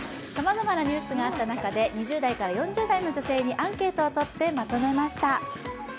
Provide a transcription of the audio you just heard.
さまざまなニュースがあった中で２０代から４０代の女性にアンケートをとってまとめました。